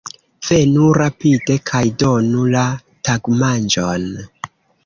Venu rapide kaj donu la tagmanĝon!